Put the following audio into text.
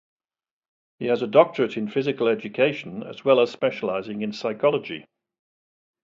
He has a Doctorate in Physical Education, as well as specialising in Psychology.